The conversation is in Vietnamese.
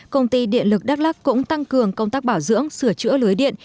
công ty điện lực đắk lắc cũng tăng cường công tác bảo dưỡng sửa chữa lưới điện